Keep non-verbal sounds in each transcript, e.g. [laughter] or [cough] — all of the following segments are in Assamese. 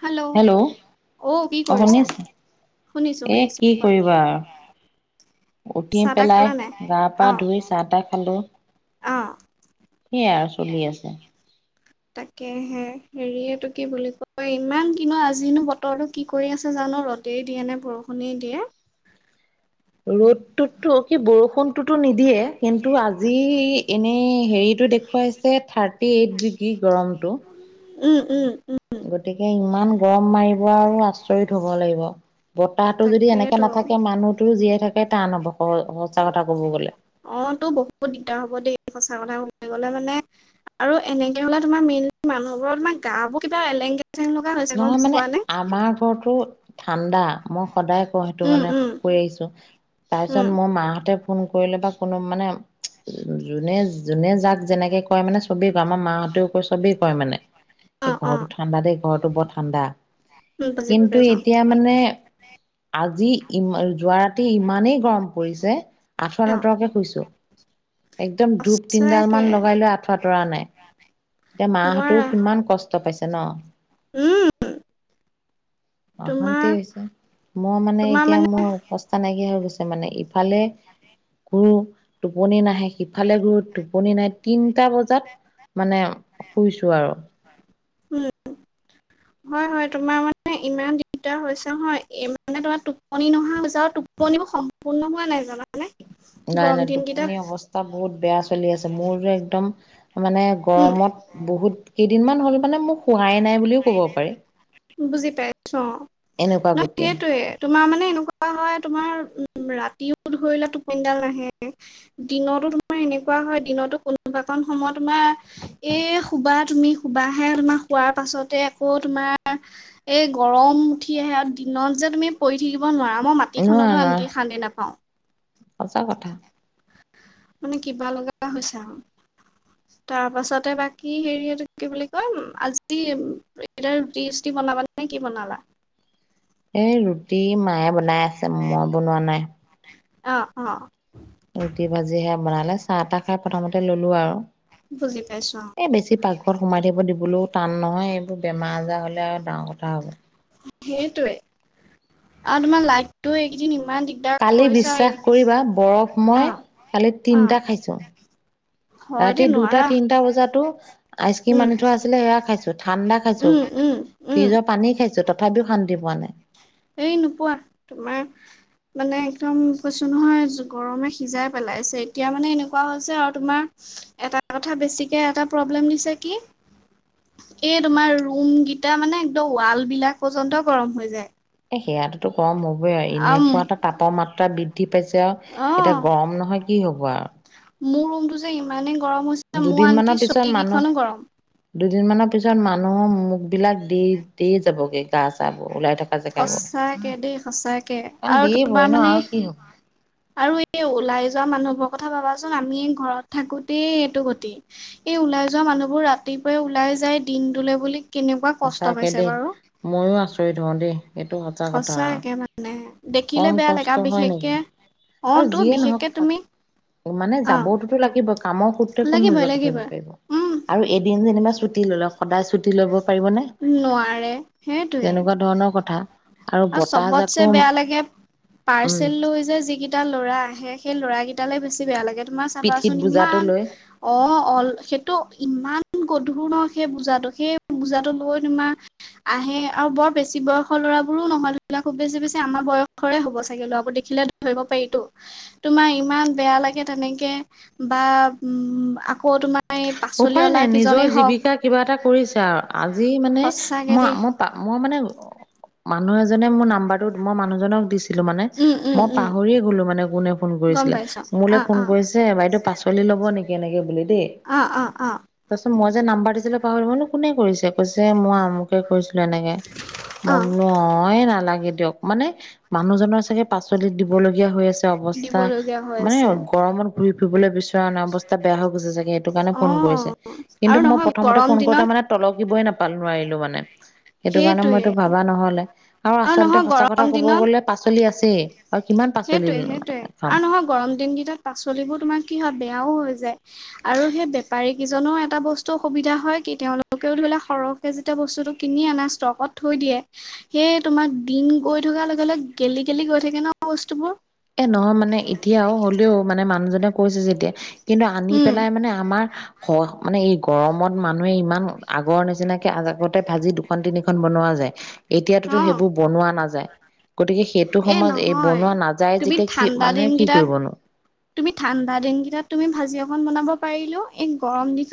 হেল্ হেল্ল' অ শুনিছা [unintelligible] শুনিছো এ শুনিছো কি কোৱা। কৰিবা উঠি চাহ তাহ পেলাই খালা নাই গা পা অ ধুই চাহ তাহ খালো। অ সেইয়াই আৰু চলি আছে। তাকে হে হেৰি এইটো কি বুলি কয় ইমান কিনো আজিনো বতৰটো কি কৰি আছে জানো? ৰ'দেই দিয়ে নে বৰষুণেই দিয়ে? ৰ'দততো কি বৰষুণটোতো নিদিয়ে, কিন্তু আজি এনেই হেৰিত এইটো দেখুৱাইছে থাৰ্টি এইট ডিগ্ৰী গৰমটো। উম উম। উম গতিকে ইমান গৰম মাৰিব আচৰিত হব লাগিব, বতাহতো যদি এনেকে তাকেইতো নাথাকে মানুহতো জীয়াই থাকে টান হব ক সঁচা কথা ক'ব গ'লে। অ তটো বহুত দিগদাৰ হব দেই, সঁচা কথা কবলে গলে মানে আৰু এনেকে হলে তোমাৰ মেই মানুহবোৰতাক গা বোৰ কিব এলেংগে নহয় মানে আমাৰ ঘৰতটো ঠাণ্ডা মই সদায় কওঁ সেইটো উম মানে উম কৈ আহিছো, উম তাৰপিছত মোৰ মাহঁতে ফোন কৰিলে বা কোনো মানে যোনে যোনে যাক যেনেকে কয় মানে চবেই কয় আমাৰ মাহঁতেও কয় চবেই কয় মানে, অ এই অ ঘৰৰতটো ঠাণ্ডা দেই। ঘৰৰতটো বৰ ঠাণ্ডা। উম বুজি কিন্তু পাইছো এতিয়া মানে আজি ইমান যোৱা ৰাতি ইমানেই গৰম পৰিছে আঠুৱ অ নতৰকে শুইছো। একদম ধূপ তিনিডাল সঁচাকে মান লগাই লৈ আঁঠুৱা তৰা নাই। এতিয়া মাহতৰ নোৱাৰা কিমান কষ্ট পাইছে ন? উম। অশান্তি তোমাৰ হৈছে মই মানে এতিয়া মোৰ অৱস্থা নাইকিয়া হৈ গৈছে মানে ইফালে [inaudible] টোপনি নাহে সিফালে ঘুৰো টোপনি নাহে তিনটা বজাত মানে শুইছো আৰু। উম, হয় হয় তোমাৰ মানে ইমান দিগদাৰ হৈছে নহয়, মানে তোমাৰ টোপনি নহা হৈছে। আও টোপ ণিও সম্পূৰ্ণ হোৱা নাই জাননে। নাই নাই টোপনি অৱস্থা বহুত বেয়া চলি আছে মোৰ যে একদম মানে উম, গৰমত বহুত কেইদিনমান হ'ল মানে মোক হোৱাই নাই বুলিও ক'ব পাৰি। বুজি পাইছো এনেকুৱা নহ গতি সেইটোয়ে তোমাৰ মানে এনেকোৱা হয় তোমাৰ ৰাতিও ধৰি লোৱা টোপনিডাল নাহে দিনতো তোমাৰ এনেকোৱা হয় দিনতো কোনোবা বৰ্তমান সময় তোমাৰ এই শুবা তুমি শুবাহে তোমাৰ শুৱাৰ পাছত তাতে আকৌ তোমাৰ এই গৰম উঠি আহে আও, দিনত যে তুমি পৰি থাকিব নোৱাৰা। মই নোৱাৰা মাটিখনতো নোৱাৰা আনকি শান্তি নাপাওঁ। সঁচা কথা। মানে কিবা লগা হৈছে আও। তাৰ পাছতে বাকি হেৰি কি বুলি কয়, আজি এতিয়া ৰুটি চুটি বনা নে কি বনালা? এই ৰুটি মায়ে বনাই আছে মই বনোৱা নাই। অ অ। ৰুটি ভাজি হে বনালে। চাহ তাহ খাই প্ৰথমতে ললো আৰু। বুজি পাইছো অ', এ বেছি পাকঘৰত সোমাই থাকিব দিবলেও টান নহয় এইবোৰ বেমাৰ আজাৰ হলে আৰু ডাঙৰ কথা হ'ব। সেইটোয়ে। আৰু তোমাৰ লাইটটো এইকেইদিন ইমান দিগদাৰ কালি কৰিছে বিশ্বাস অ', কৰিবা বৰফ মই কালি অ', তিনটা খাইছোঁ হয় দেই ৰাতি দুটা নোৱাৰা তিনটা বজাতো আইচক্ৰীম উম, আনি থোৱা আছিলে সেয়া খাইছো ঠাণ্ডা খাইছো। উম, উম, উম, ফ্ৰিজৰ পানী খাইছো তথাপিও শান্তি পোৱা নাই। এই নোপোৱা তোমাৰ মানে একদম কৈছো নহয় গৰমে সিজাই পেলাইছে এতিয়া মানে এনেকোৱা হৈছে আৰু তোমাৰ এটা কথা বেছিকে এটা প্ৰব্লেম দিছে কি এ তোমাৰ ৰুম কেইটা মানে একদম ৱাল বিলাক পৰ্যন্ত গৰম হৈ যায়। এ সেয়াটোতো গৰম হ'বই আও আম এনেকোৱা এটা তাপৰ মাত্ৰা বৃ দ্ধি পাইছে আও, অ এতিয়া গৰম নহয় কি হ'ব আও মোৰ ৰুমটো যে ইমানেই গৰম হৈছিলে মোৰ দুদিন মানৰ আনকি পিছত ছটী মানুহ কেইখনো গৰম। দুদিনমানৰ পিছত মানুহৰ মোকবিলাক দি দিয়ে যাবগৈ গা চাবোৰ ওলাই থকা জেগাবোৰ। সঁচাকে দেই সঁচাকে কাৰণ আৰু তোমাৰ দেৰিবই ন মানে আৰু কি হব আৰু এই ওলাই যোৱা মানুহবোৰৰ কথা ভাবাচোন আমি ঘৰত থাকোতেই এইটো গতি এই ওলাই যোৱা মানুহবোৰ ৰাতিপুৱাই ওলাই যায় দিন টোলে বুলি কেনেকুৱা কষ্ট সঁচাকে পাইছে দেই বাৰু। ময়ো আচৰিত হওঁ দেই এইটো সচা কথা আৰু সঁচাকে মানে দেখিলে কম বেয়া লাগে কষ্ট আৰু হয় নেকি। বিশেষকে অ আৰু তো যিয়ে নহওক বিশেষকে তুমি মানে অ যাবতোতো লাগিব। কামৰ সূত্ৰে কোন লাগিবই নোজোৱাকে থাকিব লাগিবই পাৰিব। উম আৰু এদিন যেনিবা ছুটি ললেও সদায় ছুটি ল'ব পাৰিবনে নোৱাৰে সেইটোৱে তেনেকুৱা ধৰণৰ কথা। আৰু বতাহ চবতছে জাকো বেয়া লাগে উম পাৰ্চেল লৈ যে যিকেই টা লৰা আহে সেই ল'ৰা কেইটালৈ বেছি বেয়া লাগে তোমাৰ পিঠিত চাবাচোন ইমান বোজাটো লৈ অ অল সেইটো ইমান গধুৰ নহ সেই বূজাটো সেই বূজাটো লৈ তোমাৰ আহে আৰু বৰ বেছি বয়সৰ ল'ৰাবোৰো নহয় ধৰি লোৱা খুব বেছি বেছি আমাৰ বয়সৰে হবগে ল'ৰাবোৰ দেখি লে ধৰিব পাৰিতো তোমাৰ ইমান বেয়া লাগে তেনেকে বা আকৌ তোমাৰ এই উপায় পাচলিঅলা নাই নিজৰ কিজনেই হওক জীৱিকা কিবা এটা কৰিছে আৰু আজি মানে সঁচাকে মই দেই মই মই মানে মানুহ এজনে মোৰ নাম্বাৰটো মই মানুজনক দিচি লো মানে উম উম মই উম পাহৰিয়ে গ'লো মানে কোনে ফোন গম কৰিছিলে, পাইছ মোলে অ ফোন অ কৰিছে বাইদেউ পাচলি ল'ব নেকি? কি এনেকে বুলি দেই অ অ অ তাৰপিছত মই যে নাম্বাৰ দিছিলে পাহৰি গলোঁ, কোনে কৰিছে কৈছে মই আমুকে কৰিছো এনেকে অ মই বোলো অয়ে নালাগে দিয়ক মানে মানুহজনৰ চাগে পাচলিত দিবলগীয়া হৈ আছে অৱস্থা দিবলগীয়া হৈ মানে আছে গৰমত ঘূৰি ফুৰিবলৈ বিচৰা নাই অৱস্থা বেয়া হৈ গৈছে চাগে সেইটো কাৰণে অ', ফোন কৰিছে। কিন্তু আৰু মই নহয় প্ৰথমতে গৰম ফোন কৰোতে দিনত মানে তলকিবই নাপালো নোৱাৰিলো মানে সেইটো কাৰণে সেইটোৱে মইতো ভবা নহলে আৰু আচলতে নহয় সঁচা কথা গৰম কব গ'লে পাচলি আছেই। আৰু কিমান পাচলি সেইটোয়ে সেইটোয়ে খাম আৰু নহয় গৰম দিন কেইটাত পাচলিবোৰ তোমাৰ কি হয় বেয়াও হৈ যায়। আৰু সেই বেপাৰী কেইজনো এটা বস্তু অসুবিধা হয় কি তেওঁলোকেও ধৰি লোৱা সৰহকে যেতিয়া বস্তু বস্তটো কিনি আনে ষ্টকত থৈ দিয়ে সেই তোমাৰ দিন গৈ থকা লগে লগে গেলি গেলি গৈ থাকে ন বস্তুবোৰ এ নহয় মানে এতিয়াও হ'লেও মানে মানুহজনে কৈছে যেতিয়া কিন্তু আনি উম, পেলাই মানে আমাৰ স মানে এই গৰমত মানুহে ইমান আগৰ নিচিনাকে আগতে ভাজি দুখন তিনিখন বনোৱা এতিয়াততো অ', সেইবোৰ বনোৱা নাযায়। গতিকে সেইটো সময়ত এই বনোৱা নাজ তুমি ঠাণ্ডা দিনকেইটাত তুমি ঠাণ্ডা দিনকেইটাত তুমি ভাজি আকন বনাব পাৰিলো এই গৰম দিন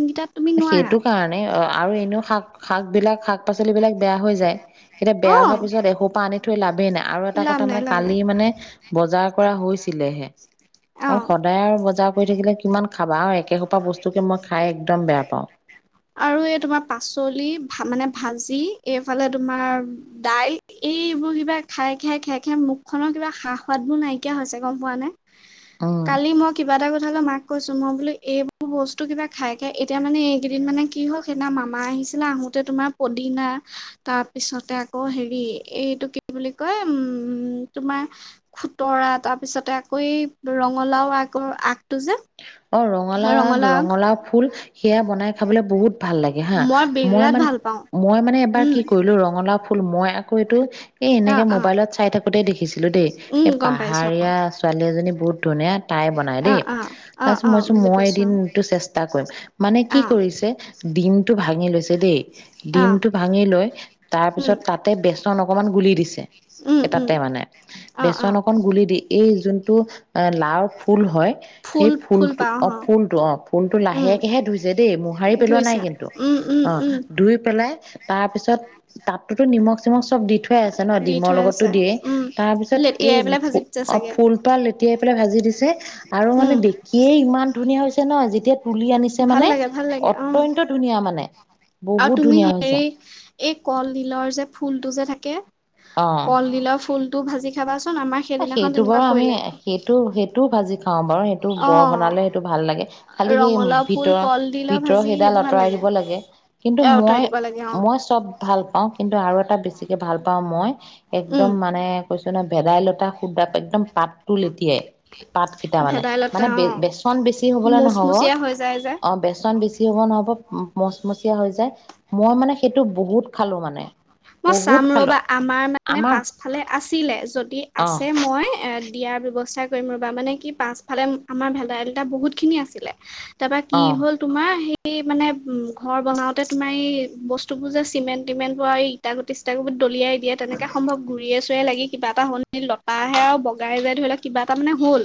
সেইটো কাৰণে আৰু এনেও শাক শাক বিলাক শাক পাচলি বিলাক বেয়া হৈ যায় এতিয়া বেয়া অ'। হোৱাৰ পিছত এসোপা আনি থৈ লাভেই নাই আৰু এটা লাভ কথা নাই মানে লাভ নাই কালি মানে বজাৰ কৰা হৈছিলেহে অ আৰু সদায় আৰু বজাৰ কৰি থাকিলে কিমান খাবা আৰু এক একে সোপাই বস্তুকে মই খাই একদ বেয়া পাওঁ [unintelligible] আৰু এই তোমাৰ পাচলি মানে ভাজি এইফালে তোমাৰ দাইল এই এইবোৰ কিবা খাই খাই খাই খাই মুখ খনৰ কিবা সা সোৱাদ বোৰ নাইকিয়া হৈছে গম পোৱা নে উম কালি মই কিবা এটা কথালৈ' মাক কৈছো মই বোলো এইবোৰ বস্তু কিবা খাই খাই এতিয়া মানে কেইদিন মানে কি হক সেইদিনা মামা আহিছিলে আহোতে তোমাৰ পদিনা তাৰ পিছতে আকৌ হেৰি এইটো কি বুলি কয় উম তোমাৰ খুতৰা তাৰপিছতে আকৌ এই ৰঙালাও আগৰ আগটো যে অ ৰঙালাও আগ ৰঙালাও ফুল সেয়া বনাই খাবলে বহুত ভাল লাগে হা মই বিৰাট মানে ভাল পাওঁ মই মানে এবাৰ উম, কি কৰিলো ৰঙালাও ফুল মই আকৌ এইটো এ এনেকে অ', অ', মোবাইলত চাই থাকোতেই দেখিছিলো দেই উম, এই গম পাইছো পাহাৰীয়া ছোৱালী এজনী বহুত ধুনীয়া তাই বনাই অ', দেই অ', অ', অ', মইছো বুজি মই পাইছো এদিনটো চেষ্টা কৰিম মানে কি অ', কৰিছে দিমতটো ভাঙি লৈছে দেই অ', ডিমটো ভাঙি লৈ উম, তাৰপিছত তাতে বেচন অকমান গুলি দিছে উম, উম, এটাতে মানে অ', বেচন অ', অকন গুলি দি এই যোন টো এ লাও ফুল হয়। ফুল সেই ফুল ফুলটো পাওঁ অ ফুল টো অ ফুল টো উম, লাহেকেহে ধুইছে দেই মোহাৰি পেলোৱা নাই ধুইছে কিন্তু উম, উম, অ উম, ধুই পেলাই তাৰ পিছত তাততোট নিমখ চিমখ চব দি থোৱাই আছে ন দি ডিমৰ থৈ লগতো আছে দিয়ে উম, লেটিয়াই পেলাই ভাজি তাৰপিছত দিছে অ চাগে ফুল পাহ লেতিয়াই পেলাই ভাজি দিছে আৰু মানে উম, এই ইমান ধুনীয়া হৈছে ন যেতিয়া তুলি আনিছে ভাল মানে লাগে ভাল লাগে উম, অত্যন্ত ধুনীয়া মানে আৰু বহুত তুমি ধুনীয়া হৈছে হেৰি এই কল দিলৰ যে ফুলটো যে থাকে অ কলডিলৰ ফুলটো ভাজি খাবাচোন আমাৰ সেইদিনাখন সেইটো তেনেকুৱা কৰিলে খাম বাৰু সেইটো বৰ অ', বনালে সেইটো ভাল লাগে খালি সেই ৰঙালাও ফুল ভিতৰ কলডিলৰ ভিতৰ ভাজি সেইডাল সেইবোৰ ভাল আঁতৰাই লাগে দিব কিন্তু এ অতৰাই মই দিব লাগে অ'। মই চব ভাল পাওঁ কিন্তু আৰু এটা বেছিকে ভাল পাওঁ মই উম, এক্দম মানে কৈছো ন ভেদাই লত সুদা একদম পাতটো লেটি য়াই পাতকেইটা মানে ভেদাইলতা মানে অ', বেচন বেছি হবলৈ নহব মুচমুচীয়া হৈ যায় যে। অ বেচন বেছি হ'ব নহব মচমচিয়া হৈ যায়। মই মানে সেইটো বহুত খালো মানে মই বহুত চাম খালো ৰবা আমাৰ মানে আমাৰ পাছফালে আছিলে যদি অ আছে মই এ দিয়াৰ ব্যৱস্থা কৰিম ৰবা মানে কি পাছফালে আমাৰ ভেদাইলটা বহুতখিনি আছিলে। তাৰপা কি অ হ'ল তোমাৰ এই মানে উ ঘৰ বনাওতে তোমাৰ এই বস্তু বোৰ যে চিমেণ্ট টিমেণ্ট বোৱাৰ ইটা গুটি চিতা গুটি দলিয়া দিয়ে তেনেকা সম্ভৱ ঘূৰি চুৰে লাগি কিবা এ হ'ল লতাহে আৰু বগাই যায় ধৰি ল কিবা এটা মানে হ'ল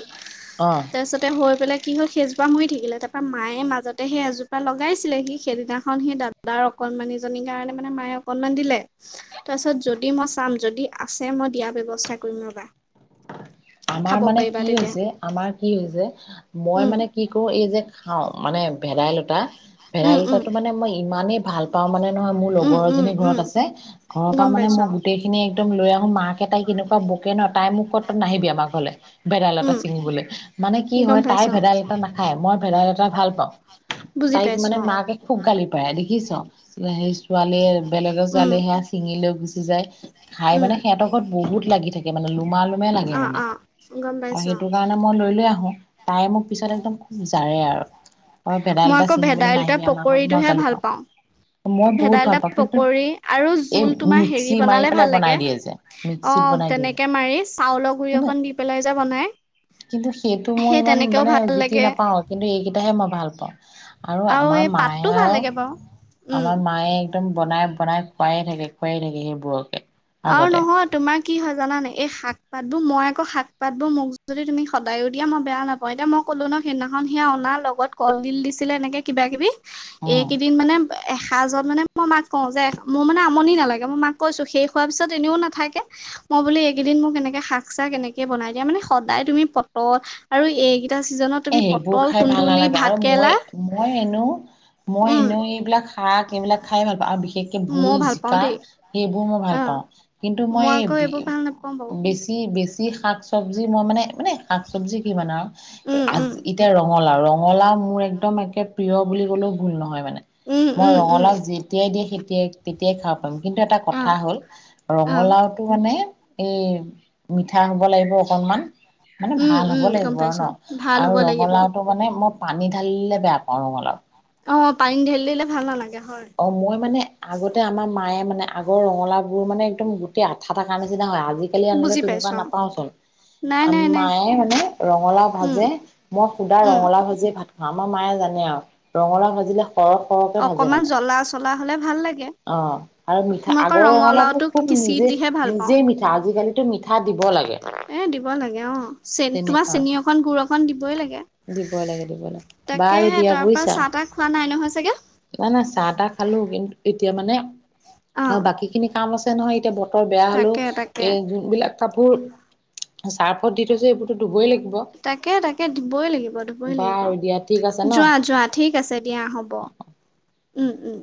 অ তাৰপিছতে হৈ পেলাই কি হ'ল। সেইজোপা মৰি থাকিলে তাৰপৰা মায়ে মাজতে সেই এজোপা লগাইছিলে সি সেইদিনাখন সেই দাদাৰ অকণমানি জনীৰ কাৰণে মানে মায়ে অকনমান দিলে। তাৰপিছত যদি মই চাম যদি আছে মই দিয়াৰ ব্যৱস্থা কৰিম ৰ'বা আমাৰ খাব মানে পাৰিবা কি তেতিয়া হৈছে আমাৰ কি হৈছে মই উম মানে কি কৰো এই যে খাওঁ মানে ভেদাইলতা উম উম ভেদাইলতাটো মানে মই ইমানেই ভাল পাওঁ মানে নহয় মোৰ উম লগৰ উম এজনী ঘৰত উম আছে ঘৰৰ পৰা গম মানে পাইছো মই অ গোটেই খিনি একদম লৈ আহো মাক এটাই কেনেকুৱা বোকে ন তাই মোক কত তত নাহিবি আমাৰ ঘৰলৈ ভেদাইলতা উম ছিঙিবলৈ মানে কি গম হয় তাই পাইছো অ ভেদাইলতা নাখায় মই ভেদাইলতা ভাল পাওঁ বুজি তাইক পাইছো মানে অ মাকে খুব গালি পাৰে দেখিছ সেই ছোৱালীয়ে বেলেগত উম ছোৱালী হেয়া চিঙি লৈ গু সিযাই খাই উম মানে সিহঁতৰ ঘত বহুত লাগি থাকে মানে লোমা লোমে লাগে অ মানে। অ গম আৰু পাইছো অ সেইটো কাৰণে মই লৈ লৈ আহো তাই মোক পিছত একদম খুব জাৰে আৰু তই ভেদাইল মই এটা আকৌ ছিঙিবলৈ ভেদাইলতে নাহিবি আমাৰ পকৰী ঘৰত মই টোহে গালি ভাল পাওঁ। মই বহুত ভেদাইলতা ভাল পাওঁ কিন্তু পকৰী আৰু এই জোল তোমাৰ হেৰি মিক্সি মাৰি বনালে পেলাই ভাল বনাই লাগে দিয়ে যে অ মিক্সিত অ বনাই দিয়ে যে তেনেকে মাৰি চাউলৰ গুৰি কিন্তু অকন দি পেলাই যে বনাই কিন্তু সেইটো মই সেই ইমান তেনেকেও মানে ভাল জুতি লাগে নাপাও কিন্তু এইকেইটা মই ভাল পাওঁ আৰু আমাৰ এই পাতটো মায়ে ভাল আৰু লাগে বাৰু উম। আমাৰ মায়ে একদম বনাই বনাই খোৱাই থাকে খোৱাই থাকে সেইবোৰকে আৰু আগতে নহয় তোমাক কি হয় জানানে এই শাক পাত বোৰ মই আকৌ শাক পাত বোৰ মোক যদি তুমি সদায়ো দিয়া মই বেয়া নাপাওঁ এতিয়া মোক কলো ন সদিনাখন সিয় অনা লগত কলডিল দিছিলে এনেকে কিবা কিবি উম এইকেইদিন মানে এসাঁজত মানে মই মাক কওঁ যে মোৰ মানে আমনি নালাগে মই মাক কৈছো সেই খোৱাৰ পিছত এনেও নাথাকে মই বো এইকেইদিন মোক এনেকে শাক চাক এনেকে বনাই দিয়া মানে সদায় তুমি অ আৰু এই এ সেইবোৰ খাই ভাল নালাগে আৰু কেৰেলা মই মই এনো মই উম এনেও এইবিলাক শাক এইবিলাক খাই ভাল পাওঁ আৰু বিশেষকে মইও ভোল ভাল পাওঁ জিকা দেই ভ মই ভাল অ পাওঁ। কিন্তু মই আকৌ এইবোৰ ভাল নাপাওঁ বাৰু বেছি বেছি যি শাক চবজি মই মানে মানে শাক চব্জি কি মানে আৰু উম আজ উম এতিয়া ৰঙালাও ৰঙালাও মোৰ একদম একে প্ৰিয় বুলি কলেও ভুল নহয় মানে উম মই উম উম ৰঙালাও যেতিয়াই দিয়ে তিয়াই তেতিয়াই খাব কিন্তু এটা অ কথা হ'ল অ', ৰঙালাওটো মানে এই মিঠা হব লাগিব অকনমান মানে উম, ভাল উম, হ'ব গম লাগিব আৰু পাইছোঁ ন অ', ভাল আৰু হ'ব লাগিব। ৰঙালাওটো মানে মই পানী ঢালিলে বেয়া পাওঁ ৰঙালাও অ পানী ঢেলি দিলে ভাল নালাগে হয়, অ মই মানে আগতে আমাৰ মায়ে মানে আগৰ ৰঙলাওবোৰ মানে একদম গোটেই আঠাত থাৰ নিচিনা হয় আজিকালি আনিলে বুজি তেনেকুৱা পাইছোঁ অ', নাপাও চোন নাই, আ নাই, নাই, মায়ে মানে ৰঙালাও উম, ভাজে মই সুদা উম। ৰঙালাও ভাজিয়ে ভাত খাওঁ আমাৰ মায়ে জানে আৰু ৰঙালাও ভাজিলে সৰহ সৰহকে ভাজে অকমান মানে জ্বলা চলা হ'লে ভাল লাগ- অ আৰু মিঠা আগৰ ৰঙালাউবোৰ ৰঙালাওটো খুব খিচি নিজে দিহে ভাল পাওঁ। নিজে মিঠা আজিকালি মিঠা দিব লাগে। এ দিব লাগে অ চে তোমাৰ তেনেকুৱা। চেনী অকন গুৰ অকন দিবই লাগে। দিবই লাগে দিব লাগে তাকে বাৰু দিয়া তাৰ পৰা বুজিছা। চাহ তাহ খোৱা নাই নহয় চাগে? নাই নাই চাহ তাহ খালো কিন্তু এতিয়া মানে অ বাকী খিনি কাম আছে নহয় এতিয়া ব- বেয়া হলেও তাকে, তাকে। এ যোনবিলাক কাপোৰ চাৰ্ফত দি থৈছে এইবোৰতো ধুবই লাগিব তাকে তাকে ধু- ধুবই লাগিব ধুবই লাগিব বাৰু দিয়া ঠিক আছে ন যোৱা যোৱা ঠিক আছে দিয়া হ'ব। উম উম